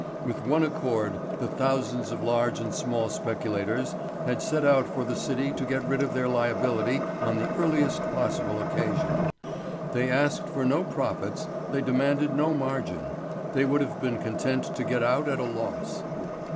With one accord the thousands of large and small speculators had set out for the City to get rid of their liability on the earliest possible occasion. They asked for no profits, they demanded no margin they would have been content to get out at a loss.